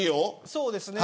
そうですね。